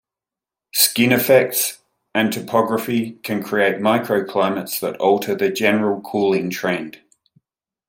Skin effects and topography can create microclimates that alter the general cooling trend.